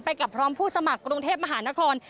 กับพร้อมผู้สมัครกรุงเทพมหานคร